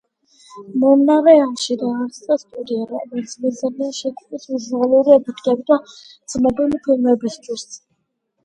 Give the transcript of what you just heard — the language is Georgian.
მონრეალში დაარსდა სტუდია, რომლის მიზანია შექმნას ვიზუალური ეფექტები ცნობილი ფილმებისთვის.